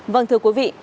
vâng thưa quý vị